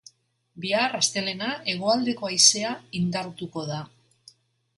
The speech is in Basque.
Bihar, astelehena, hegoaldeko haizea indartuko da.